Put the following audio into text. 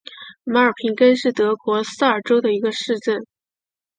马尔平根是德国萨尔州的一个市镇。